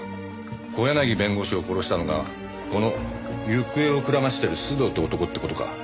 小柳弁護士を殺したのがこの行方をくらましてる須藤って男って事か。